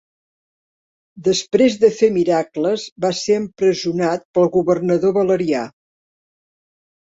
Després de fer miracles, va ser empresonat pel governador Valerià.